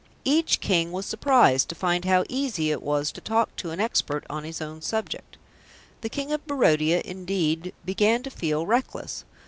Each King was surprised to find how easy it was to talk to an expert on his own subject. The King of Barodia, indeed, began to feel reckless.